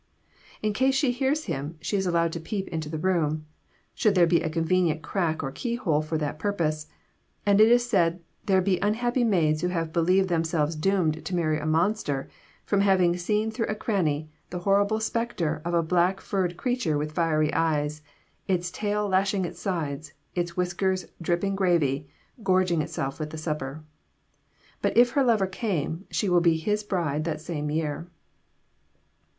In case she hears him, she is allowed to peep into the room, should there be a convenient crack or key hole for that purpose; and it is said there be unhappy maids who have believed themselves doomed to marry a monster, from having seen through a cranny the horrible spectacle of a black furred creature with fiery eyes, its tail lashing its sides, its whiskers dripping gravy, gorging itself with the supper. But if her lover come, she will be his bride that same year.